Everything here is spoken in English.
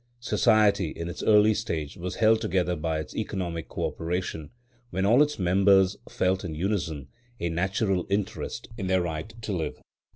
Society in its early stage was held together by its economic co operation, when all its members felt in unison a natural interest in their right to live.